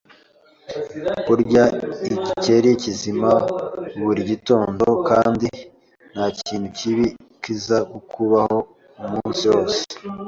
Kurya igikeri kizima buri gitondo, kandi ntakintu kibi kizakubaho umunsi wose.